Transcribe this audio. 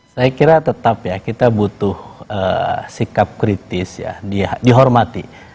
saya kira tetap ya kita butuh sikap kritis ya dihormati